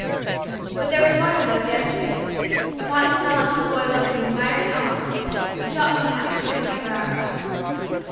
But there was one in those Yesterdays, upon whose knowledge the boy looked in admiring awe, who taught him that which he could never outgrow.